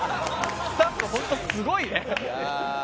スタッフホントすごいね。